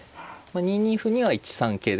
２二歩には１三桂で。